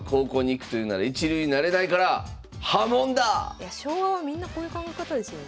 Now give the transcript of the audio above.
いや昭和はみんなこういう考え方ですよね。